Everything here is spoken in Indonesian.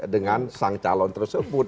dengan sang calon tersebut